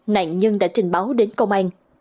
nạn nhân đã trình báo đến công an